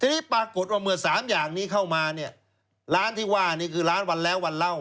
ทีนี้ปรากฏว่าเมื่อสามอย่างนี้เข้ามาเนี่ยร้านที่ว่านี่คือร้านวันแล้ววันเล่า